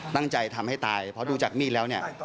ตั้งใจทำให้ตายเพราะดูจากมีดแล้วเนี่ย